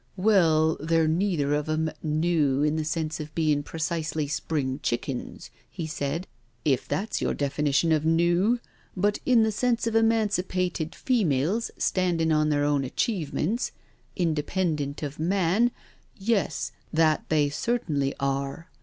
" Well, they're neither of 'em noo in the sense of bein' precisely spring chickens/' he said, " if that's your definition of ' noo,' but in the sense of eman cipated females standin' on their own achievements, independent of man, yes, that they certainly are.